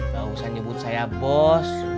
gak usah nyebut saya bos